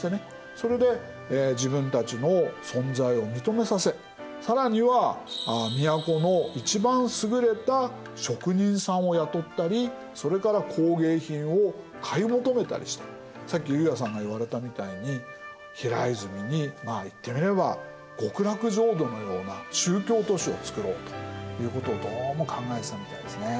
それで自分たちの存在を認めさせ更には都の一番すぐれた職人さんを雇ったりそれから工芸品を買い求めたりしてさっき悠也さんが言われたみたいに平泉にまあ言ってみれば極楽浄土のような宗教都市を造ろうということをどうも考えてたみたいですね。